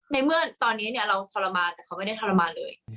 ในเมื่อตอนนี้เนี่ยเราทรมานแต่เขาไม่ได้ทรมานเลย